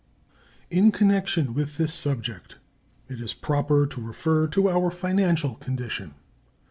In connection with this subject it is proper to refer to our financial condition.